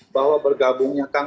bahwa bergabungnya kang emil